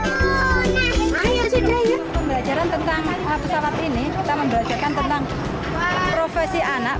pembelajaran tentang pesawat ini kita membelajarkan tentang profesi anak